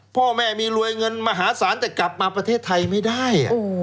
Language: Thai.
พ่อแม่มีรวยเงินมหาศาลแต่กลับมาประเทศไทยไม่ได้